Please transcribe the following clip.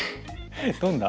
どんな？